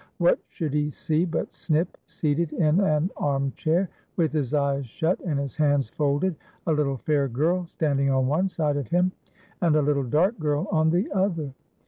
What should he see but Snip seated in an armchair, with his eyes shut, and his hands folded, a little fair girl standing on one side of him, and a little dark girl on the other.